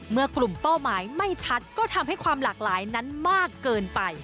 เมื่อกลุ่มเป้าหมายไม่ชัดก็ทำให้ความหลากหลายนั้นมากเกินไป